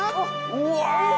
うわ！